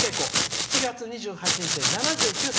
７月２８日で７９歳」。